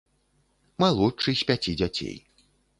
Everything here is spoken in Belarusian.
Малодшы з пяці дзяцей.